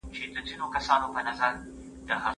ثمر ګل وویل چې د وطن ابادي د بزګر په لاس کې ده.